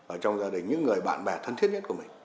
ở trong gia đình những người bạn bè thân thiết nhất của mình